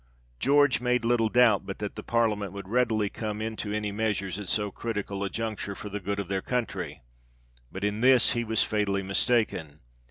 George made little doubt but that the parliament would readily come into any measures, at so critical a juncture, for the good of their country ; but in this he was fatally mistaken.